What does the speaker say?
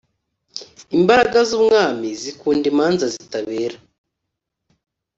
imbaraga z’umwami zikunda imanza zitabera,